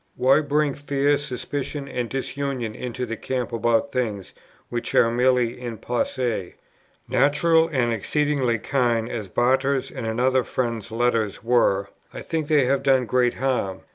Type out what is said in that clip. Why bring fear, suspicion, and disunion into the camp about things which are merely in posse? Natural, and exceedingly kind as Barter's and another friend's letters were, I think they have done great harm.